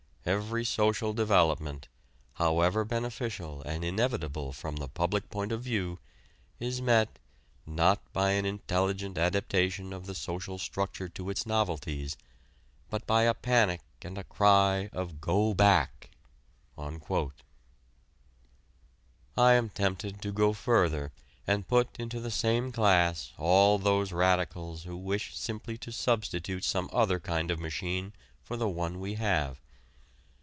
Every social development, however beneficial and inevitable from the public point of view, is met, not by an intelligent adaptation of the social structure to its novelties but by a panic and a cry of Go Back." I am tempted to go further and put into the same class all those radicals who wish simply to substitute some other kind of machine for the one we have.